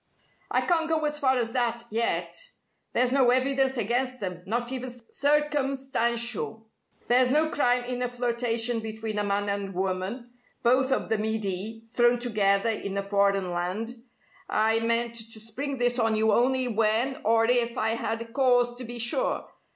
"I can't go as far as that yet. There's no evidence against them not even circumstantial. There's no crime in a flirtation between a man and woman, both of the Midi, thrown together in a foreign land. I meant to spring this on you only when or if I had cause to be sure.